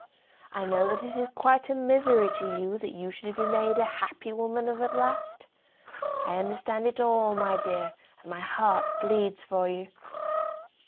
I know that it is quite a misery to you that you should be made a happy woman of at last. I understand it all, my dear, and my heart bleeds for you."